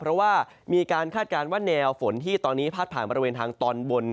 เพราะว่ามีการคาดการณ์ว่าแนวฝนที่ตอนนี้พาดผ่านบริเวณทางตอนบน